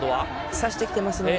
差してきていますので。